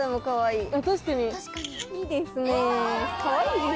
かわいい！